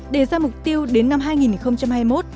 đề ra mục tiêu đến năm hai nghìn hai mươi một